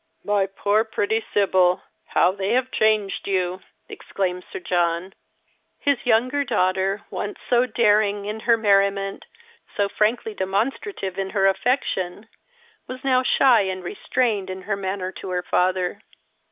" My poor pretty Sibyl, how they have changed you !" exclaimed Sir John. His younger daughter, once so daring in her merri ment, so frankly demonstrative in her affection, was now shv and restrained in her manner to her father.